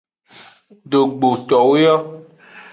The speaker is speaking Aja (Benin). Dogbotowo yo.